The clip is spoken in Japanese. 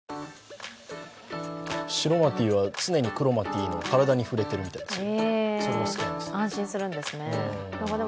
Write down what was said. シロマティーは常にクロマティーの体に触れてるみたいですよ。